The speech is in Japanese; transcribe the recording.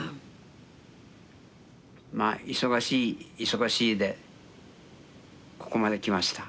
まあ忙しい忙しいでここまで来ました。